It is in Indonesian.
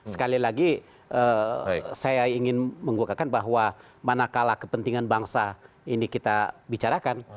sekali lagi saya ingin mengukakan bahwa manakala kepentingan bangsa ini kita bicarakan